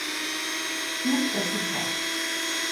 Gut, dass du fragst.